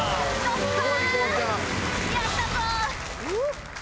やったぞ！